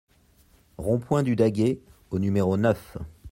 Rond-Point du Daguet au numéro neuf